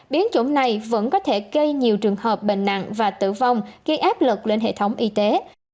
biến chủng này vẫn có thể gây nhiều trường hợp bệnh nặng và tử vong khi áp lực lên hệ thống y tế